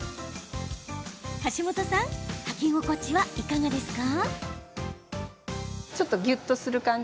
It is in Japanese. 橋本さん、履き心地はいかがですか？